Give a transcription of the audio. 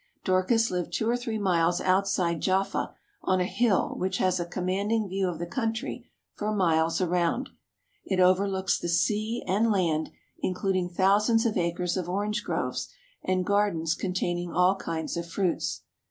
Dorcas lived two or three miles outside Jaffa on a hill which has a commanding view of the country for miles around. It overlooks the sea and land, including thou sands of acres of orange groves and gardens containing all kinds of fruits.